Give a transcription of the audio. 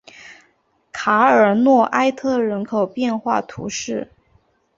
卡尔诺埃特人口变化图示